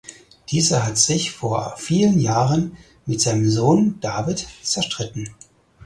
Dieser hat sich vor vielen Jahren mit seinem Sohn David zerstritten.